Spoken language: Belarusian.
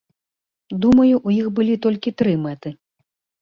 Думаю, у іх былі толькі тры мэты.